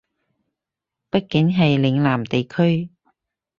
畢竟係嶺南地區